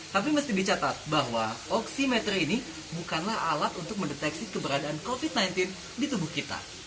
tapi mesti dicatat bahwa oksimeter ini bukanlah alat untuk mendeteksi keberadaan covid sembilan belas di tubuh kita